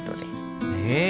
ねえ。